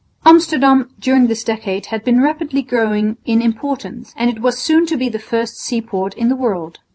Amsterdam during this decade had been rapidly growing in importance and it was soon to be the first seaport in the world.